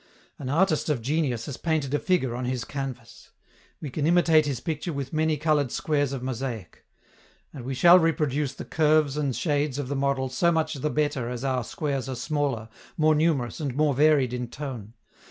An artist of genius has painted a figure on his canvas. We can imitate his picture with many colored squares of mosaic. And we shall reproduce the curves and shades of the model so much the better as our squares are smaller, more numerous and more varied in tone.